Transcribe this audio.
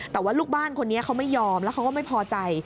แต่ว่าลูกบ้านคนนี้เขาไม่ยอมแล้วเขาก็ไม่พอใจ